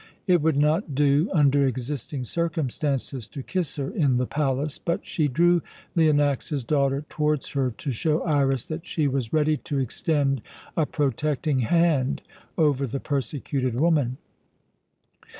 It would not do, under existing circumstances, to kiss her in the palace, but she drew Leonax's daughter towards her to show Iras that she was ready to extend a protecting hand over the persecuted woman.